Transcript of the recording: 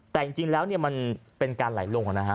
แต่จริงแล้วเนี่ยมันเป็นการไหลลงนะฮะ